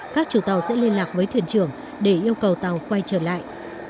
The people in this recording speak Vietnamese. các chủ tàu sẽ liên lạc với thuyền trưởng để yêu cầu tàu quay trở lại